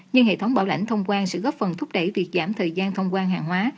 nhưng hệ thống bảo lãnh thông quan sẽ góp phần thúc đẩy việc giảm thời gian thông quan hàng hóa